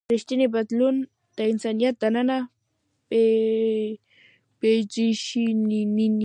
ریښتینی بدلون د انسان دننه پیښیږي.